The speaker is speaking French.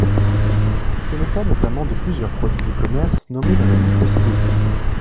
C'est le cas notamment de plusieurs produits du commerce nommés dans la liste ci-dessous.